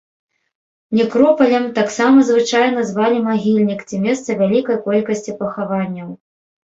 Некропалем таксама звычайна звалі магільнік ці месца вялікай колькасці пахаванняў.